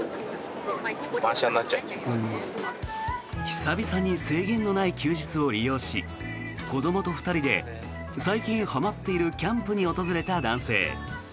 久々に制限のない休日を利用し子どもと２人で最近はまっているキャンプに訪れた男性。